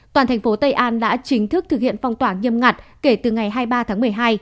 toàn thành phố tây an đã chính thức thực hiện phong tỏa nghiêm ngặt kể từ ngày hai mươi ba tháng một mươi hai